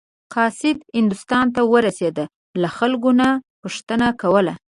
قاصد هندوستان ته ورسېده له خلکو نه پوښتنه کوله.